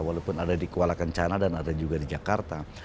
walaupun ada di kuala kencana dan ada juga di jakarta